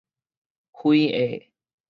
非裔